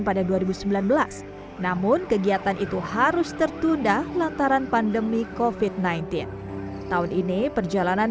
pada dua ribu sembilan belas namun kegiatan itu harus tertunda lantaran pandemi kofit sembilan belas tahun ini perjalanan